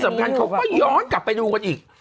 แล้วที่สำคัญเขาก็ย้อนกลับไปดูกันอีก